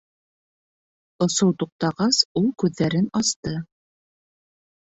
- Осоу туҡтағас, ул күҙҙәрен асты.